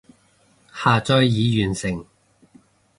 下載已完成